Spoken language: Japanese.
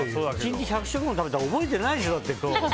１日１００食も食べたら覚えていないでしょう。